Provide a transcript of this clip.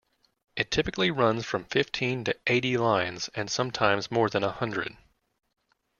It typically runs from fifteen to eighty lines, and sometimes more than a hundred.